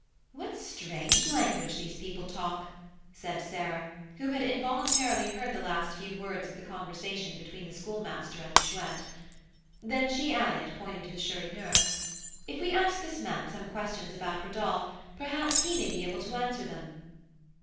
"What strange language these people talk!" said Sarah, who had involuntarily heard the last few words of the conversation between the Schoolmaster and the Chouette. Then she added, pointing to the Chourineur, "If we ask this man some questions about Rodolph, perhaps he may be able to answer them."